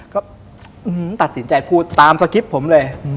ก็ตัดสินใจพูดตามสคริปต์ผมเลย